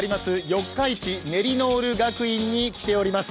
四日市メリノール学院に来ております。